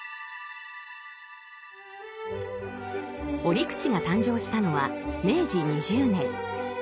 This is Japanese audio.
折口が誕生したのは明治２０年。